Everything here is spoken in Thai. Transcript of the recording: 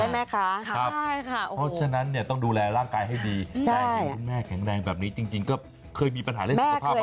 เพราะฉะนั้นต้องดูแลร่างกายให้ดีและให้พี่แม่แข็งแรงแบบนี้จริงเลยหรือก็